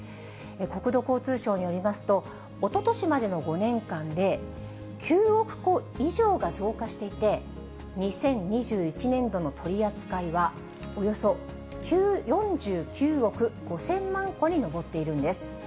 国土交通省によりますと、おととしまでの５年間で、９億個以上が増加していて、２０２１年度の取り扱いは、およそ４９億５０００万個に上っているんです。